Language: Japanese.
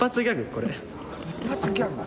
これ。